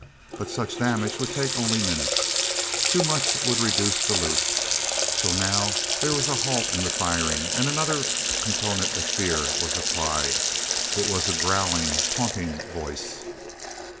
But such damage would take only minutes. Too much would reduce the loot. So now there was a halt in the firing, and another component of fear was applied. It was a growling, taunting voice.